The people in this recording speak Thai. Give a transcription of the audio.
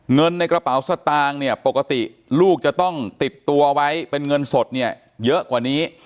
เงินในกระเป๋าสตางค์เนี่ยปกติลูกจะต้องติดตัวไว้เป็นเงินสดเนี่ยเยอะกว่านี้